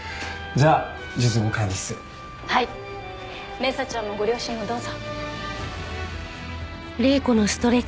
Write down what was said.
明紗ちゃんもご両親もどうぞ。